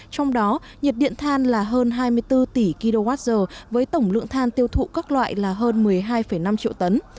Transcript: trong đó nhiệt điện than là hơn hai mươi bốn tỷ kwh với tổng lượng than tiêu thụ các loại là hơn một mươi hai năm triệu tấn